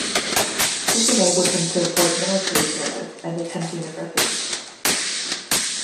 This enabled him to avoid military service and attend university.